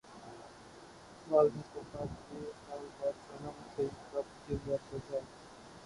والدہ کی وفات کے سال بعد صنم سعید کا اپنے جذبات کا اظہار